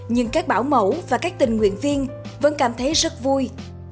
nhưng các bảo mẫu và các tình nguyện viên vẫn cảm thấy rất vui